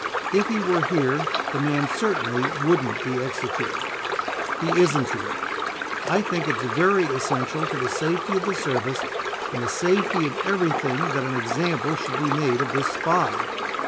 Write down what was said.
If he were here, the man certainly wouldn't be executed. He isn't here. I think it very essential to the safety of the service and the safety of everything that an example should be made of this spy.